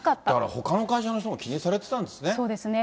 ほかの会社の方も気にされてたんですね。